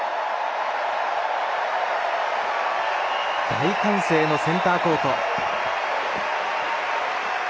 大歓声のセンターコート。